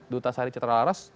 duta sari cetralaras